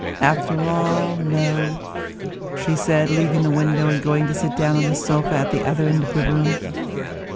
"After all, no," she said, leaving the window and going to sit down on the sofa at the other end of the room.